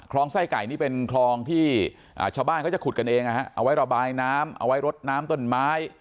ไส้ไก่นี่เป็นคลองที่ชาวบ้านเขาจะขุดกันเองเอาไว้ระบายน้ำเอาไว้รดน้ำต้นไม้